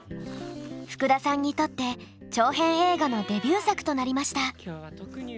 ふくださんにとって長編映画のデビュー作となりました。